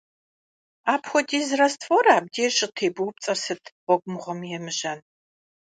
Апхуэдиз раствор абдей щӀытебупцӀэр сыт, гъуэгу мыгъуэм емыжьэн?!